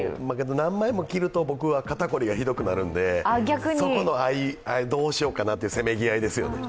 何枚も着ると僕は肩凝りがひどくなるのでそこ、どうしようかなというせめぎ合いですよね。